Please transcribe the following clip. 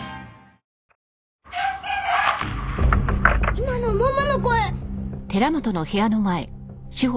今のママの声！